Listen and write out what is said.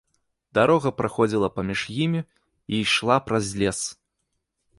Дарога праходзіла паміж імі і ішла праз лес.